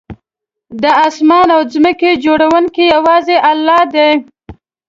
د آسمان او ځمکې جوړونکی یوازې الله دی